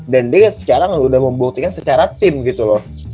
dan dia sekarang udah membuktikan secara tim gitu loh